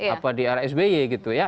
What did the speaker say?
apa di era sby gitu ya